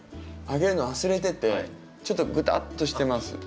あげるの忘れててちょっとぐたっとしてます。